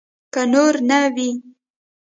که نور نه وي.